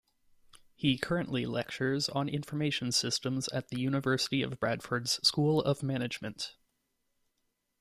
He currently lectures on Information Systems at the University of Bradford's School of Management.